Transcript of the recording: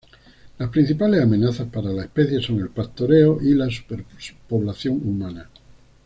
Las principales amenazas para la especie son el pastoreo y superpoblación humana.